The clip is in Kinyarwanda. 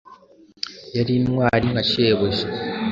yari intwari nka shebuja.